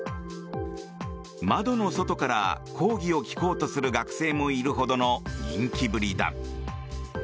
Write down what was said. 窓の外から講義を聴こうとする学生もいるほどの人気ぶりだ。